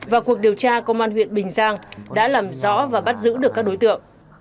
và cuộc điều tra công an huyện bình giang đã làm rõ và bắt giữ được các đối tượng